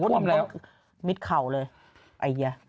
ต้องกระบวนเข้าเมือยนนี้